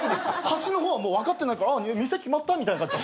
端の方はもう分かってないから店決まった？みたいな。